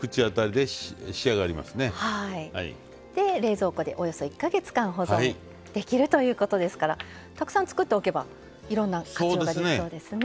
で冷蔵庫でおよそ１か月間保存できるということですからたくさん作っておけばいろんな活用ができそうですね。